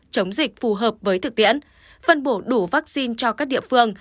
chống dịch phù hợp với thực tiễn phân bổ đủ vaccine cho các địa phương